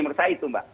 maksud saya itu mbak